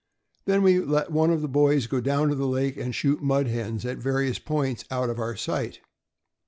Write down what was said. Then we let one of the boys go down the lake and shoot mud hens at various points out of our sight.